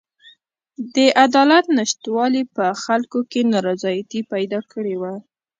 د عدالت نشتوالي په خلکو کې نارضایتي پیدا کړې وه.